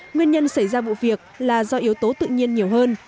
nguyên nhân xảy ra vụ việc là do yếu tố tự nhiên nhiều hơn